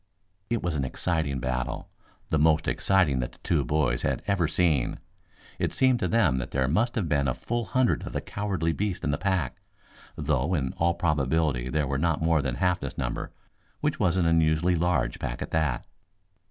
It was an exciting battle, the most exciting that the two boys had ever seen. It seemed to them that there must have been a full hundred of the cowardly beasts in the pack, though in all probability there were not more than half this number, which was an unusually large pack at that.